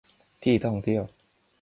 ที่ท่องเที่ยว